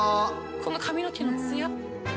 この髪の毛のツヤ。